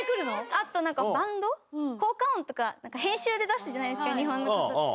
あとなんか、バンド、効果音とか編集で出すじゃないですか、日本って。